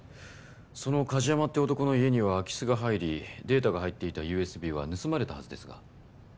その梶山って男の家には空き巣が入りデータが入っていたＵＳＢは盗まれたはずですが。